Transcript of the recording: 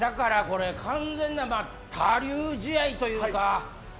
完全な他流試合というか。